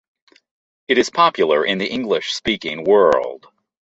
It is popular in the English-speaking world.